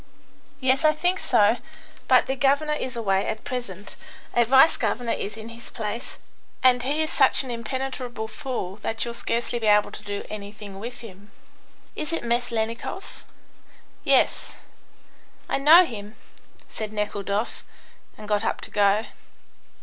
"Yes, I think so. But the governor is away at present; a vice governor is in his place. And he is such an impenetrable fool that you'll scarcely be able to do anything with him." "Is it Meslennikoff?" "Yes." "I know him," said Nekhludoff, and got up to go.